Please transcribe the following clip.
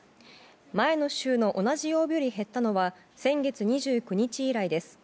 前の週の同じ曜日より減ったのは先月２９日以来です。